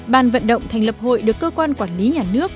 ban vận động thành lập hội được cơ quan quản lý nhà nước